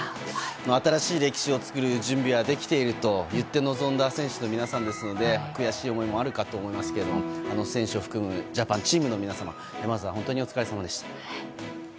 新しい歴史を作る準備はできていると言って臨んだ選手の皆さんですので悔しい思いもあるかと思いますけれども選手を含むジャパンチームの皆様まずは本当にお疲れさまでした。